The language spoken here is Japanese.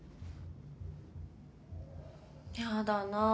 やだなぁ